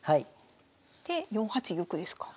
で４八玉ですか。